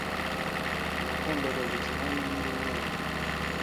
Nakundaga gukina hano nkiri umwana.